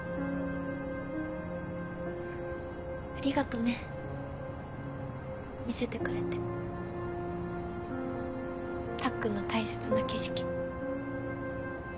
ありがとね見せてくれてたっくんの大切な景色。